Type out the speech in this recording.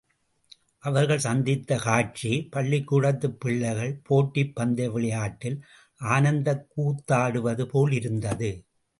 அவர்கள் சந்தித்த காட்சி பள்ளிக்கூடத்துப் பிள்ளைகள் போட்டிப் பந்தய விளையாட்டில் ஆனந்தக்கூத்தாடுவது போல் இருந்தது.